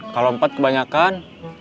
kalau empat kebanyakan